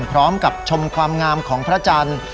พร้อมกับชมความงามของพระจันทร์